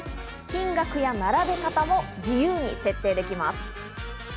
金額や並べ方も自由に設定できます。